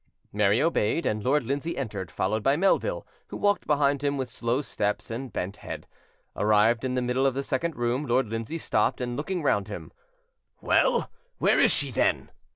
Mary obeyed, and Lord Lindsay entered, followed by Melville, who walked behind him, with slow steps and bent head. Arrived in the middle of the second room, Lord Lindsay stopped, and, looking round him— "Well, where is she, then?"